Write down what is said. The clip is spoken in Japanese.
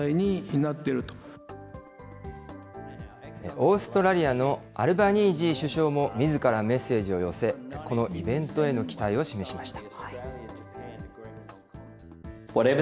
オーストラリアのアルバニージー首相もみずからメッセージを寄せ、このイベントへの期待を示しました。